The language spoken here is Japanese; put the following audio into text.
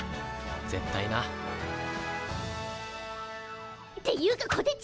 絶対な。っていうかこてち！